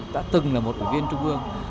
đã từng là một ủy viên trung ương